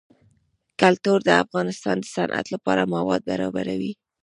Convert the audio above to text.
کلتور د افغانستان د صنعت لپاره مواد برابروي.